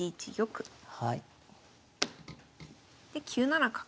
で９七角。